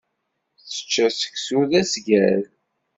Tečča seksu d asgal.